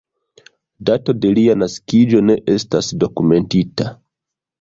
Dato de lia naskiĝo ne estas dokumentita.